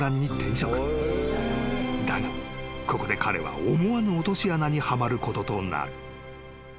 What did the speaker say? ［だがここで彼は思わぬ落とし穴にはまることとなる］